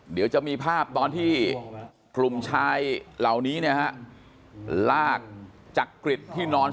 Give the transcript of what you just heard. เดี๋ยวจะมีภาพตอนที่กลุ่มชายเหล่านี้เนี่ยฮะลากจักริตที่นอน